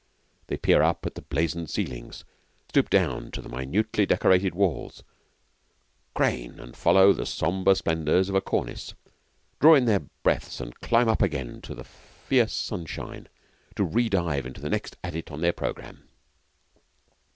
They peer up at the blazoned ceilings, stoop down to the minutely decorated walls, crane and follow the sombre splendours of a cornice, draw in their breaths and climb up again to the fierce sunshine to re dive into the next adit on their programme.